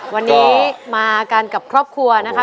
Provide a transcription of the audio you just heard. วันนี้มากันกับครอบครัวนะคะ